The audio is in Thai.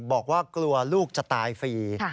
บอกว่ากลัวลูกจะตายฟรี